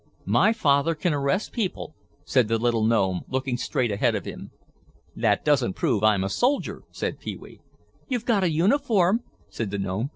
"My father can arrest people," said the little gnome, looking straight ahead of him. "That doesn't prove I'm a soldier," said Pee wee. "You've got a uniform," said the gnome.